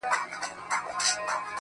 پوهېږې په جنت کي به همداسي ليونی یم.